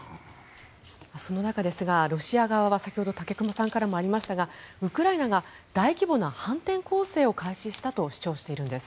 その中ですがロシア側は先ほど武隈さんからもありましたがウクライナが大規模な反転攻勢を開始したと主張しているんです。